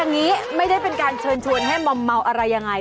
อย่างนี้ไม่ได้เป็นการเชิญชวนให้มอมเมาอะไรยังไง